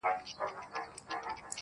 ماشومان يې بلاګاني په خوب ويني٫